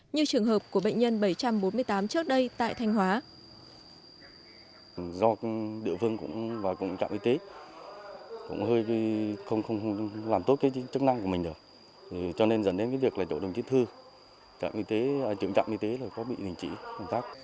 như trường hợp của bệnh nhân bảy trăm bốn mươi tám trước đây tại thanh hóa